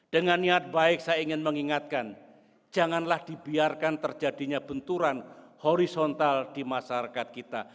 dengan niat baik saya ingin mengingatkan janganlah dibiarkan terjadinya benturan horizontal di masyarakat kita